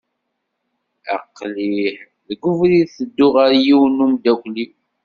Aqlih deg ubrid tedduɣ ɣer yiwen n umeddakel-iw.